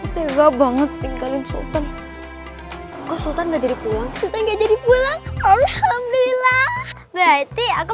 tega banget tinggalin sultan sultan jadi pulang pulang alhamdulillah berarti aku